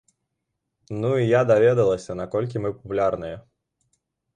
Ну і я даведалася, наколькі мы папулярныя.